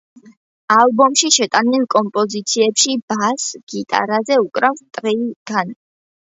ალბომში შეტანილ კომპოზიციებში ბას გიტარაზე უკრავს ტრეი განი.